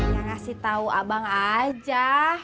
yang ngasih tahu abang aja